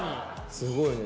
すごいね。